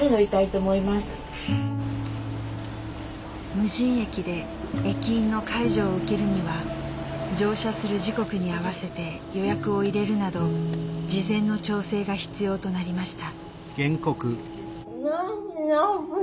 無人駅で駅員の介助を受けるには乗車する時刻に合わせて予約を入れるなど事前の調整が必要となりました。